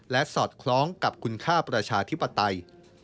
และสอดคล้องกับคุณค่าประชาธิปไตย